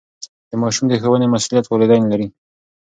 د ماشوم د ښوونې مسئولیت والدین لري.